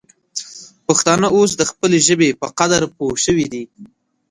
پښتانه اوس د خپلې ژبې په قدر پوه سوي دي.